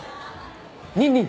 ニンニン。